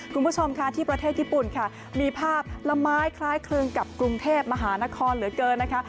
คุณผู้ชมค่ะที่ประเทศญี่ปุ่นค่ะมีภาพละไม้คล้ายคลึงกับกรุงเทพมหานครเหลือเกินนะคะ